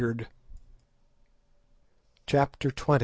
CHAPTER XX.